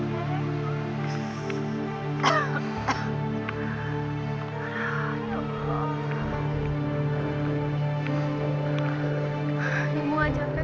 kita tetap berdoa saja